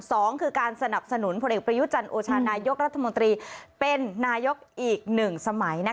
สองคือการสนับสนุนพลเอกประยุจันทร์โอชานายกรัฐมนตรีเป็นนายกอีกหนึ่งสมัย